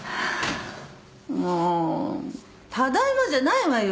もうただいまじゃないわよ！